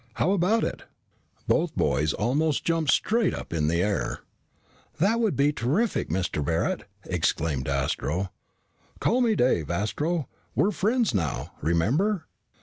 How about it?" Both boys almost jumped straight up in the air. "That would be terrific, Mr. Barret!" exclaimed Astro. "Call me Dave, Astro. We're friends now, remember?"